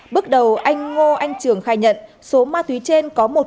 bước đầu anh ngô anh trường khai nhận số ma túy trên có một